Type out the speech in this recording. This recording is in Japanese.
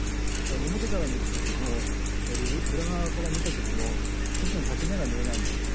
表から見た時も裏側から見た時も生地の裁ち目が見えないんですね。